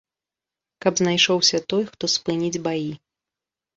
Каб знайшоўся той, хто спыніць баі.